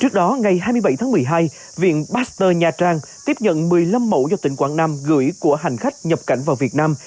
trước đó ngày hai mươi bảy tháng một mươi hai viện pasteur nha trang tiếp nhận một mươi năm mẫu do tỉnh quảng nam gửi của hành khách nhập cảnh vào việt nam